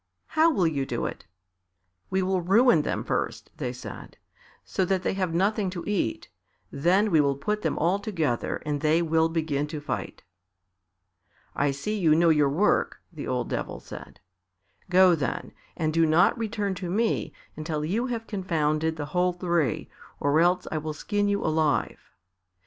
"How will you do it?" "We will ruin them first," they said, "so that they have nothing to eat, then we will put them all together and they will begin to fight." "I see you know your work," the old Devil said. "Go then, and do not return to me until you have confounded the whole three, or else I will skin you alive."